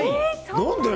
何で！